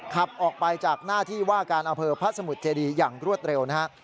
ขับออกไปจากหน้าที่ว่าการอำเภอพระสมุทรเจดีอย่างรวดเร็วนะฮะ